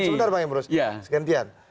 sebentar bang emrus sekantian